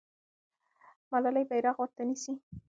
ملالۍ بیرغ ورته نیسي.